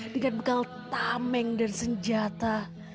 dengan bekal tameng dan senjata